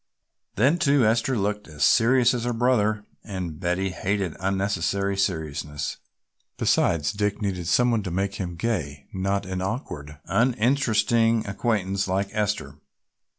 Then, too, Esther looked as serious as her brother and Betty hated unnecessary seriousness, besides Dick needed some one to make him gay, not an awkward, uninteresting acquaintance like Esther.